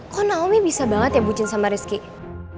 kok naomi bisa banget ya bucin sama rizky